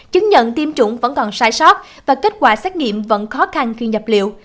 chứng nhận tiêm chủng vẫn còn sai sót và kết quả xét nghiệm vẫn khó khăn khi nhập liệu